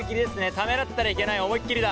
ためらったらいけない思いっきりだ。